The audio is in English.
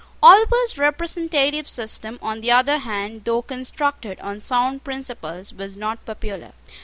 Oliver's representative system, on the other hand, though constructed on sound principles, was not popular.